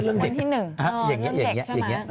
เหมือนที่๑เรื่องเม็ดใช่ไหม